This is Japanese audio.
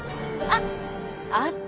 あっ！